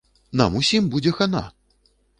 Нам усім будзе хана!